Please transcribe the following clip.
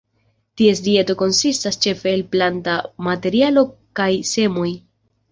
Ties dieto konsistas ĉefe el planta materialo kaj semoj.